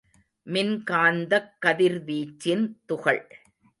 மின்காந்தக் கதிர்வீச்சின் துகள்.